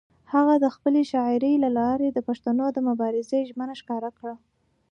هغه د خپلې شاعرۍ له لارې د پښتنو د مبارزې ژمنه ښکاره کړه.